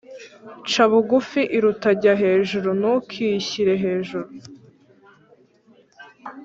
Ca bugufi iruta jya hejuru.(ntukishyire hejuru)